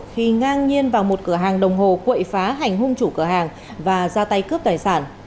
khi ngang nhiên vào một cửa hàng đồng hồ quậy phá hành hung chủ cửa hàng và ra tay cướp tài sản